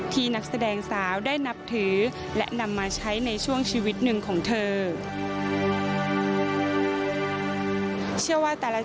นักแสดงสาวได้นับถือและนำมาใช้ในช่วงชีวิตหนึ่งของเธอ